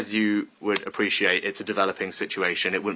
seperti yang anda hargai ini adalah situasi yang berkembang